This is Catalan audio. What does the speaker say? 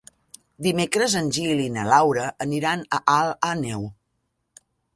Dimecres en Gil i na Laura aniran a Alt Àneu.